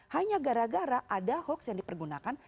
hanya gara gara ada hoax yang dipergunakan